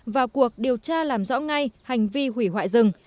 vào cuộc điều tra làm rõ ngay hành vi hủy hoại rừng